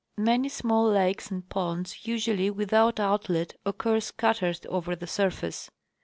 Many small lakes and ponds, usually without outlet, occur scattered over the surface.